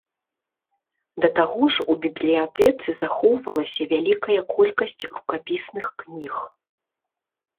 Да таго ж у бібліятэцы захоўвалася вялікая колькасць рукапісных кніг.